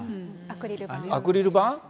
アクリル板？